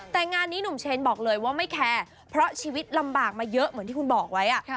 แต่งานนี้หนุ่มเชนบอกเลยว่าไม่แคร์เพราะชีวิตลำบากมาเยอะเหมือนที่คุณบอกไว้